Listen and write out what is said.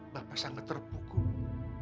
bapak sangat terpukul